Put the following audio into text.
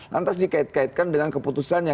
lantas dikait kaitkan dengan keputusannya